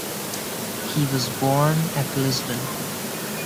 He was born at Lisbon.